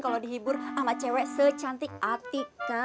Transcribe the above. klo dihibur ama cewek secantik atika